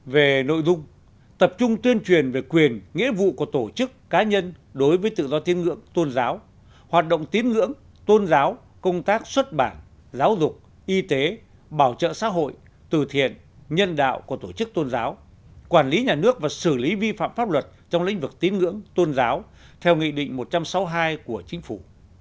về nội dung tập trung tuyên truyền về quyền nghĩa vụ của tổ chức cá nhân đối với tự do tiếng ngưỡng tôn giáo hoạt động tiếng ngưỡng tôn giáo công tác xuất bản giáo dục y tế bảo trợ xã hội từ thiện nhân đạo của tổ chức tôn giáo quản lý nhà nước và xử lý vi phạm pháp luật trong lĩnh vực tiếng ngưỡng tôn giáo theo nghị định một trăm sáu mươi hai của chính phủ